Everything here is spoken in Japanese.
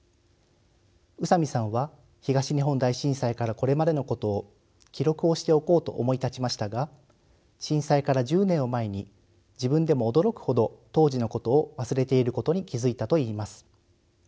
宇佐美さんは東日本大震災からこれまでのことを記録をしておこうと思い立ちましたが震災から１０年を前に自分でも驚くほど当時のことを忘れていることに気付いたといいます。